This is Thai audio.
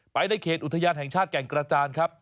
ในเขตอุทยานแห่งชาติแก่งกระจานครับ